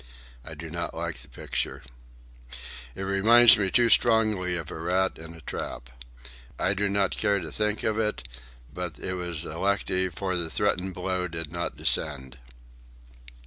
I do not like the picture. It reminds me too strongly of a rat in a trap. I do not care to think of it; but it was effective, for the threatened blow did not descend.